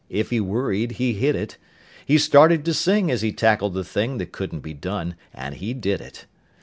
If he worried he hid it. He started to sing as he tackled the thing That couldn't be done, and he did it.